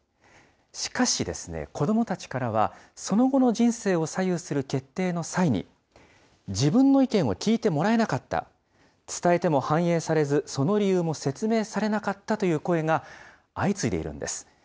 しかしですね、子どもたちからはその後の人生を左右する決定の際に、自分の意見を聴いてもらえなかった、伝えても反映されず、その理由も説明されなかったという声が相次いでいるんです。